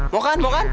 mau kan mau kan